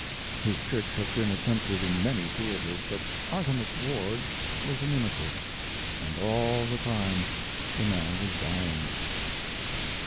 His tricks have been at tempted in many theaters, but Artemus Ward was inimitable. And all the time the man was dying.